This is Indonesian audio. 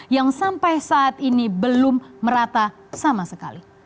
yang sampai saat ini belum merata sama sekali